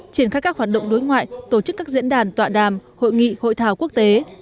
triển khai các hoạt động đối ngoại tổ chức các diễn đàn tọa đàm hội nghị hội thảo quốc tế